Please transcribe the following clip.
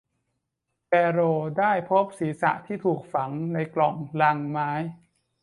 แปโรได้พบศีรษะที่ถูกฝังในกล่องลังไม้